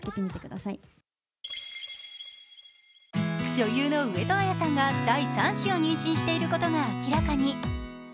女優の上戸彩さんが第３子を妊娠していることが明らかに。